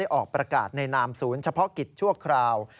ออกประกาศในนามศูนย์เฉพาะกิจชั่วคราว